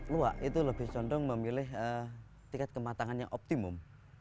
luwak itu lebih condong memilih tiket kematangan yang optimum